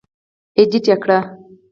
اېډېټ کړ.